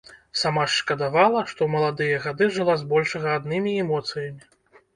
Сама ж шкадавала, што ў маладыя гады жыла збольшага аднымі эмоцыямі.